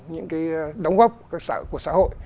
những đóng gốc của xã hội